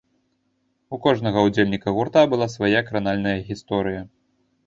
У кожнага ўдзельніка гурта была свая кранальная гісторыя.